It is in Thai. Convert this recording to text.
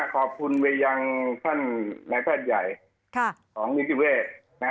ขอบคุณไปยังท่านนายแพทย์ใหญ่ของนิติเวศ